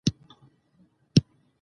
ځان په يوه بهانه نه يوه بهانه مصروف کوم.